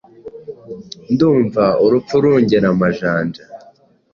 ndumva urupfu rungera amajanja